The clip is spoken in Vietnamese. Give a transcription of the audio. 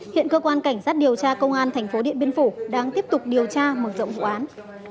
hiện cơ quan cảnh sát điều tra công an thành phố điện biên phủ đang tiếp tục điều tra mở rộng vụ án